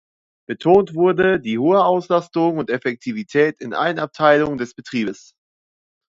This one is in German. Betont wurde „die hohe Auslastung und Effektivität in allen Abteilungen“ des Betriebes.